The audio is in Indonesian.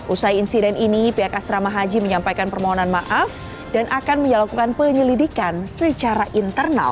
usai insiden ini pihak asrama haji menyampaikan permohonan maaf dan akan melakukan penyelidikan secara internal